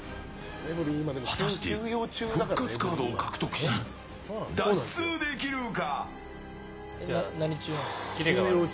果たして復活カードを獲得し脱出できるか？